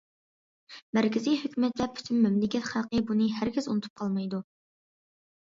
مەركىزىي ھۆكۈمەت ۋە پۈتۈن مەملىكەت خەلقى بۇنى ھەرگىز ئۇنتۇپ قالمايدۇ.